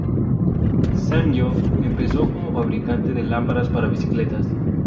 Sanyo empezó como fabricante de lámparas para bicicletas.